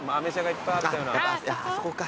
あそこか。